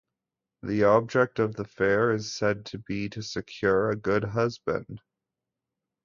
The object of the fair is said to be to secure a good husband.